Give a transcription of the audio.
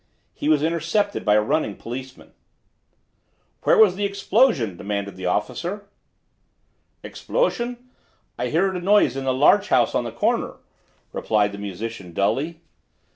He was intercepted by a running policeman. "Where was the explosion?" demanded the officer. "Explosion? I hear a noise in the larch house on the corner," replied the musician dully.